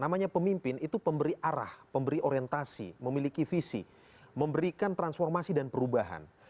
namanya pemimpin itu pemberi arah pemberi orientasi memiliki visi memberikan transformasi dan perubahan